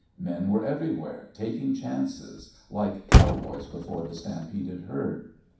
Men were everywhere, taking chances, like cowboys before the stampeded herd.